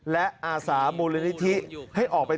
แต่ตอนนี้ติดต่อน้องไม่ได้